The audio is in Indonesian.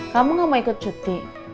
kamu nggak mau ikut cuti